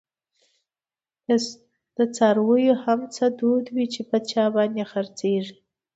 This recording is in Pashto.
د څارویو هم څه دود وی، چی په چا باندي خر څیږی